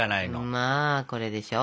まあこれでしょ